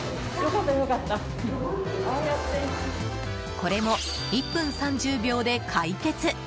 これも１分３０秒で解決！